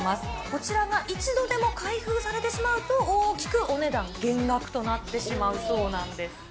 こちらが一度でも開封されてしまうと、大きくお値段減額となってしまうそうなんです。